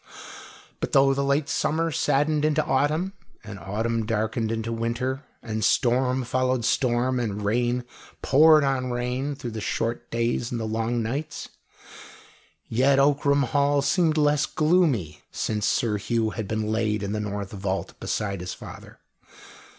But though the late summer saddened into autumn, and autumn darkened into winter, and storm followed storm, and rain poured on rain through the short days and the long nights, yet Ockram Hall seemed less gloomy since Sir Hugh had been laid in the north vault beside his father.